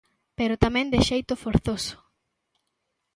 Pero tamén de xeito forzoso.